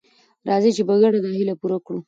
راځئ چې په ګډه دا هیله پوره کړو.